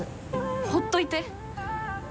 ほっといて！